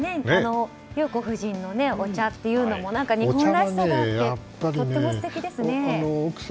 裕子夫人のお茶というのも日本らしさがあってとても素敵ですね。